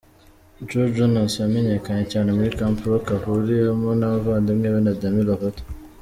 Joe Jonas yamenyekanye cyane muri Camp Rock ahuriyemo n'abavandimwe be na Demi Lovato.